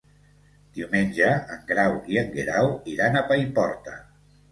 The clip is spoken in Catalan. Diumenge en Grau i en Guerau iran a Paiporta.